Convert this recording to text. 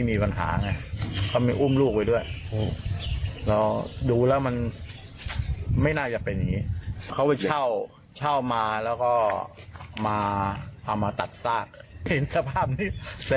ไม่รู้ว่าจะทำไง